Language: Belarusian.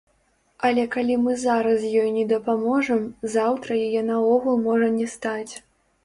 Але калі мы зараз ёй не дапаможам, заўтра яе наогул можа не стаць.